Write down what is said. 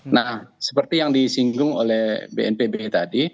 nah seperti yang disinggung oleh bnpb tadi